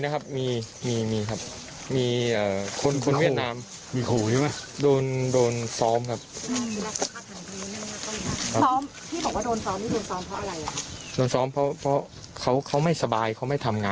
ซึ่งตัวเกรียดเป็น